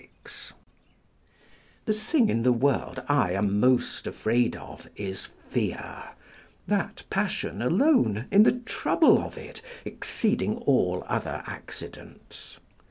56.] The thing in the world I am most afraid of is fear, that passion alone, in the trouble of it, exceeding all other accidents.